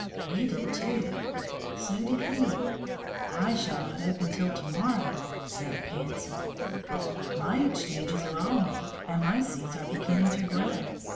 "We did too." "So did we." "I shall not open to morrow," said a pansy. "My exchanges are all made, and my seeds are beginning to grow.